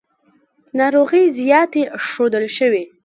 ناروغۍ زیاتې ښودل شوې.